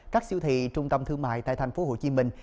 các siêu thị trung tâm thương mại tại thành phố hồ chí minh